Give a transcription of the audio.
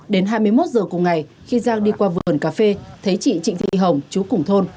đến hai mươi một giờ cùng ngày khi giang đi qua vườn cà phê thấy chị trịnh thị hồng chú cùng thôn